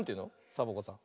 サボ子さん。